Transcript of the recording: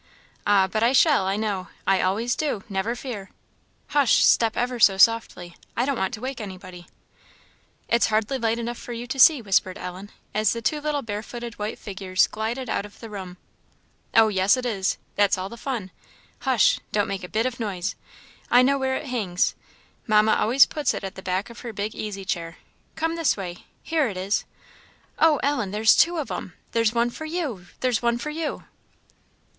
"Ah, but I shall, I know; I always do never fear. Hush! step ever so softly I don't want to wake anybody." "It's hardly light enough for you to see," whispered Ellen, as the two little barefooted white figures glided out of the room. "Oh, yes, it is that's all the fun. Hush! don't make a bit of noise I know where it hangs Mamma always puts it at the back of her big easy chair; come this way here it is! Oh, Ellen! there's two of 'em! There's one for you! there's one for you!"